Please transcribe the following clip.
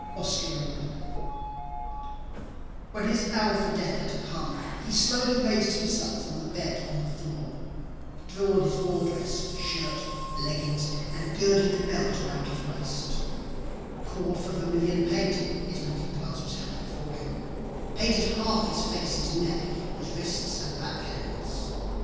Osceola When his hour for death had come, He slowly rais'd himself from the bed on the floor, Drew on his war dress, shirt, leggings, and girdled the belt around his waist, Call'd for vermilion paint (his looking glass was held before him,) Painted half his face and neck, his wrists, and back hands.